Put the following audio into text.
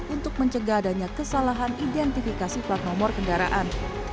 untuk mencegah adanya kesalahan identifikasi plat nomor kendaraan